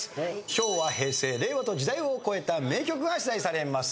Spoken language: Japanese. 昭和平成令和と時代を超えた名曲が出題されます。